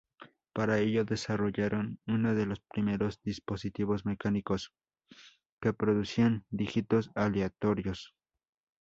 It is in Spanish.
Para ello desarrollaron uno de los primeros dispositivos mecánicos que producían dígitos aleatorios.